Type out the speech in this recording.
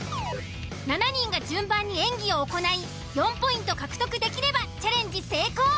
７人が順番に演技を行い４ポイント獲得できればチャレンジ成功。